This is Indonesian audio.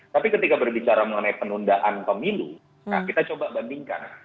tapi ketika berbicara mengenai penundaan pemilu kita coba bandingkan